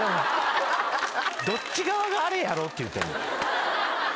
どっち側があれやろうって言うてんねん。